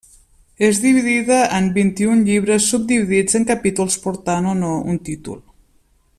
És dividida en vint-i-un llibres subdividits en capítols portant o no un títol.